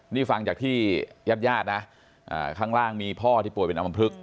นี่ฟังจากที่ญาติญาตินะข้างล่างมีพ่อที่ป่วยเป็นอำมพลึก